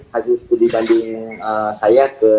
hasil studi banding saya ke